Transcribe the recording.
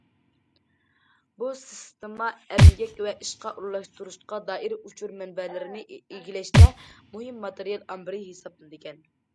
بۇ سىستېما ئەمگەك ۋە ئىشقا ئورۇنلاشتۇرۇشقا دائىر ئۇچۇر مەنبەلىرىنى ئىگىلەشتە مۇھىم ماتېرىيال ئامبىرى ھېسابلىنىدىكەن.